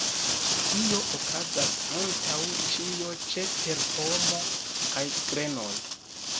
Tio okazas antaŭ ĉio ĉe terpomo kaj grenoj.